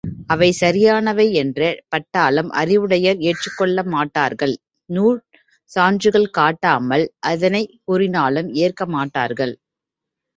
அவை சரியானவை என்று பட்டாலும் அறிவுடையார் ஏற்றுக்கொள்ளமாட்டார்கள் நூற் சான்றுகள் காட்டாமல் எதனைக் கூறினாலும் ஏற்க மாட்டார்கள்.